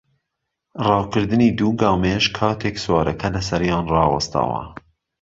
ڕاکردنی دوو گامێش کاتێک سوارەکە لەسەریان ڕاوەستاوە